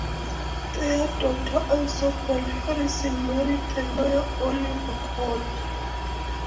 Their daughter Isobel Henryson married the lawyer Oliver Colt.